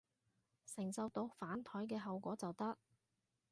承受到反枱嘅後果就得